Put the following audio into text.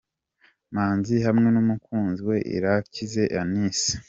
Manzi hamwe n'umukunzi we Irakiza Eunice.